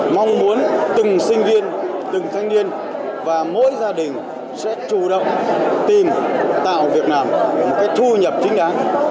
mong muốn từng sinh viên từng thanh niên và mỗi gia đình sẽ chủ động tìm tạo việc làm một cái thu nhập chính đáng